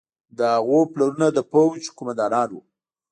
د هغوی پلرونه د پوځ قوماندانان وو.